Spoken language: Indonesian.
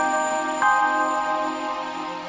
jangan pernah tinggalin papa lagi